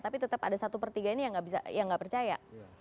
tapi tetap ada satu per tiga ini yang nggak percaya